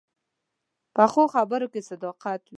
پخو خبرو کې صداقت وي